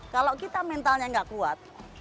kalau kita mentalnya nggak kuat